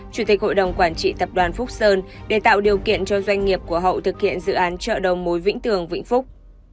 chủ tịch hội đồng quản trị tập đoàn phúc sơn để tạo điều kiện cho doanh nghiệp của hậu thực hiện dự án chợ đầu mối vĩnh tường vĩnh phúc